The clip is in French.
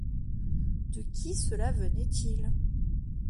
De qui cela venait-il ?